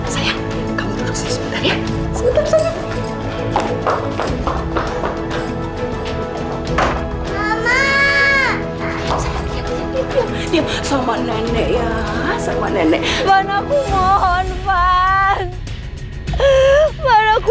sayang kamu duduk sini sebentar ya